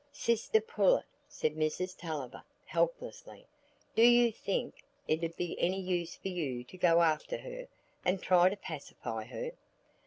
"Sister Pullet," said Mrs Tulliver, helplessly, "do you think it 'ud be any use for you to go after her and try to pacify her?"